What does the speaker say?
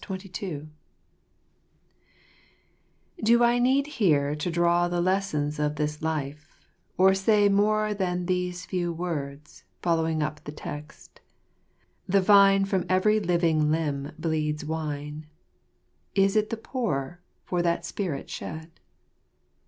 M Do I need here To draw the lesson of this life : or say More than these few words, following up the text :— The vine from every living limb bleeds wine, Is it the poorer for that spirit shed